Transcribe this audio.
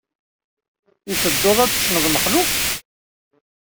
I tedduḍ ad d-tessneḍ Mexluf?